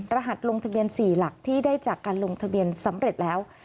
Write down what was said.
รหัสลงทะเบียน๔หลักที่ได้จากการลงทะเบียนสำเร็จแล้ว